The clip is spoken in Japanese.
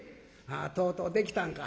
「あとうとうできたんか。